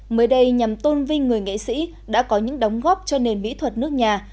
mới đây nhằm tôn vinh người nghệ sĩ đã có những đóng góp cho nền mỹ thuật nước nhà